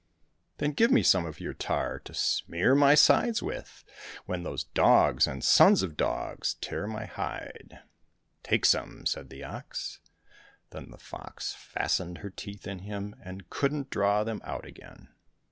—" Then give me some of your tar to smear my sides with, when those dogs and sons of dogs tear my hide !"—'' Take some," said the ox. Then the fox fastened her teeth in him and couldn't draw them out again.